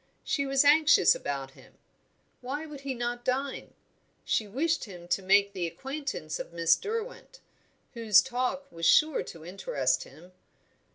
She was anxious about him. Why would he not dine? She wished him to make the acquaintance of Miss Derwent, whose talk was sure to interest him.